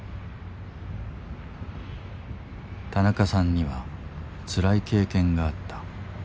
田中さんにはつらい経験があった。